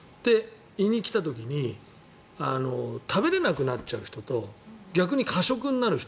胃に来た時に食べられなくなっちゃう人と逆に過食になる人。